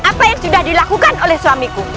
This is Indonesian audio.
apa yang sudah dilakukan oleh suamiku